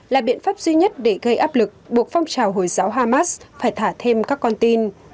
là biện pháp duy nhất để gây áp lực buộc phong trào hồi giáo hamas phải thả thêm các con tin